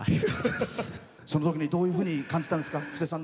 そのときにどういうふうに感じたんですか？